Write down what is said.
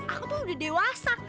aku tuh udah dewasa